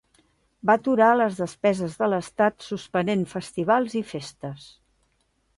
Va aturar les despeses de l'estat suspenent festivals i festes.